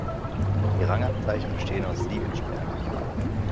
Die Rangabzeichen bestehen aus sieben Sternen.